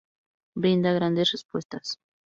Brinda grandes respuestas.